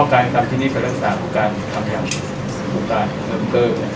ก็การตามที่นี่การรักษาผู้การเติมเติมนะครับ